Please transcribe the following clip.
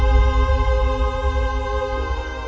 dan prosedurnya harus ditunda sampai